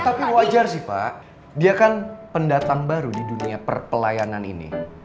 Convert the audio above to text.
tapi wajar sih pak dia kan pendatang baru di dunia perpelayanan ini